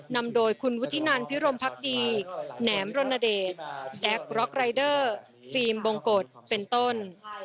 นำโดยคุณวุฒินันพิรมพักดีแหนมรณเดชแอคร็อกรายเดอร์ฟิล์มบงกฎเป็นต้น